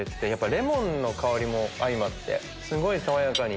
レモンの香りも相まってすごい爽やかに。